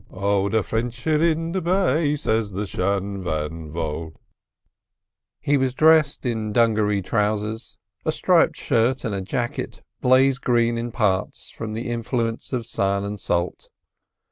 "O the Frinch are in the bay, Says the Shan van vaught." He was dressed in dungaree trousers, a striped shirt, and a jacket baize—green in parts from the influence of sun and salt.